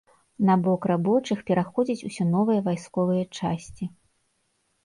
На бок рабочых пераходзяць усё новыя вайсковыя часці.